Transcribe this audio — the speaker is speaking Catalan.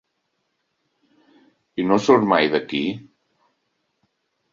I no surt mai d'aquí?